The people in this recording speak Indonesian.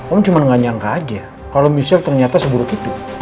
om cuma gak nyangka aja kalo michelle ternyata seburuk itu